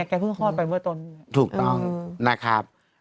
เหมือนแกฮือเวอร์ตนถูกต้องนะครับ